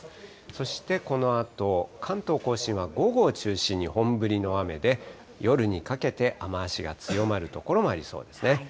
そして、このあと、関東甲信は午後を中心に本降りの雨で、夜にかけて雨足が強まる所もありそうですね。